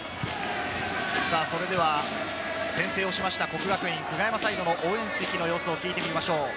それでは先制しました國學院久我山サイドの応援席の様子を聞いてみましょう。